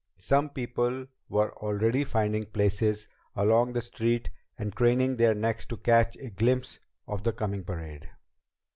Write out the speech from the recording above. Some people were already finding places along the street and craning their necks to catch a glimpse of the coming parade.